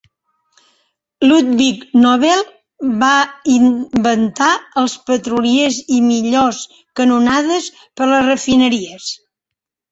Ludvig Nobel va inventar els petroliers i millors canonades per a les refineries.